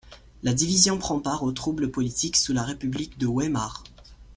La division prend part aux troubles politiques sous la république de Weimar.